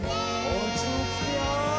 おうちにつくよ！